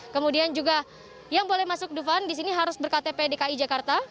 kemudian juga yang boleh masuk dufan di sini harus berktp dki jakarta